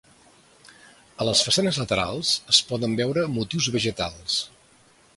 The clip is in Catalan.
A les façanes laterals es poden veure motius vegetals.